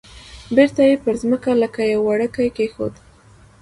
بیرته یې پر مځکه لکه یو وړوکی کېښود.